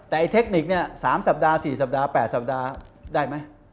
แต่ไอเทคนิคเนี่ย๓สัปดาห์๔สัปดาห์๘สัปดาห์ได้ไหม